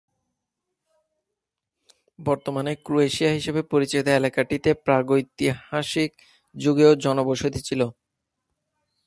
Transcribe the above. বর্তমানে ক্রোয়েশিয়া হিসেবে পরিচিত এলাকাটিতে প্রাগৈতিহাসিক যুগেও জনবসতি ছিল।